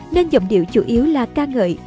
nên giọng điệu chủ yếu là ca ngợi